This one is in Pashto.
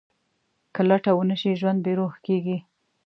که لټه ونه شي، ژوند بېروح کېږي.